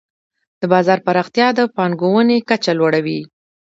د بازار پراختیا د پانګونې کچه لوړوي.